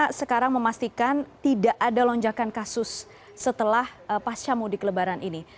bagaimana sekarang memastikan tidak ada lonjakan kasus setelah pasca mudik lebaran ini